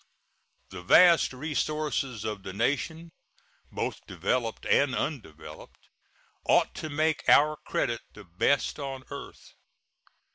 The vast resources of the nation, both developed and undeveloped, ought to make our credit the best on earth.